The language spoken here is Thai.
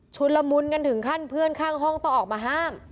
ละมุนกันถึงขั้นเพื่อนข้างห้องต้องออกมาห้าม